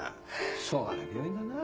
しょうがねえ病院だな。